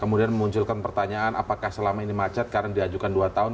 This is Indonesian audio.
kemudian memunculkan pertanyaan apakah selama ini macet karena diajukan dua tahun